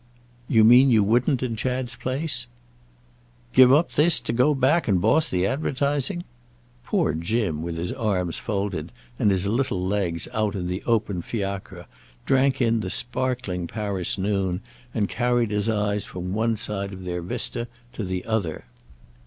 "You mean you wouldn't in Chad's place—?" "Give up this to go back and boss the advertising!" Poor Jim, with his arms folded and his little legs out in the open fiacre, drank in the sparkling Paris noon and carried his eyes from one side of their vista to the other.